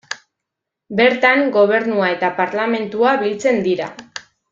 Bertan gobernua eta parlamentua biltzen dira.